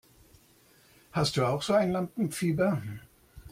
Hast du auch so ein Lampenfieber?